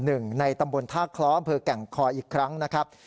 ในตำบลท่าคล้ออำเภอแก่งคอยอีกครั้งนะครับ